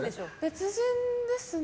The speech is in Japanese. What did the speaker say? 別人ですね。